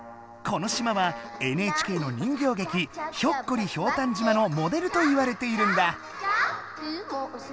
この島はＮＨＫの人形劇「ひょっこりひょうたん島」のモデルといわれているんだ。